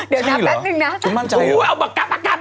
เดี๋ยวถามแปลกนึงนะคุณมั่นจะเรียกว่าอู้ววววเอาปากกับ